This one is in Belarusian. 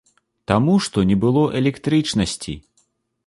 Таму што не было электрычнасці!